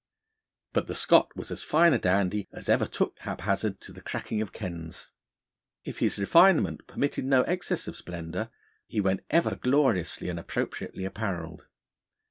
But the Scot was as fine a dandy as ever took (haphazard) to the cracking of kens. If his refinement permitted no excess of splendour, he went ever gloriously and appropriately apparelled.